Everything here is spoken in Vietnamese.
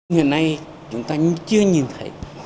ngày nay chúng ta chưa nhìn thấy